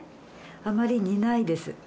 あまり煮ないです。